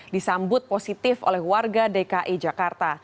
disambut positif oleh warga dki jakarta